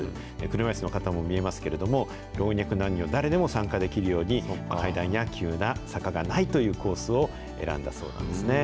車いすの方も見えますけれども、老若男女誰でも参加できるように、階段や、急な坂がないというコースを選んだそうなんですね。